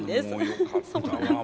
よかったわもう。